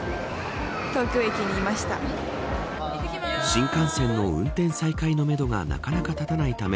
新幹線の運転再開のめどがなかなか立たないため